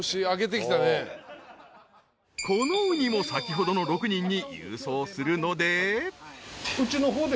［このうにも先ほどの６人に郵送するので］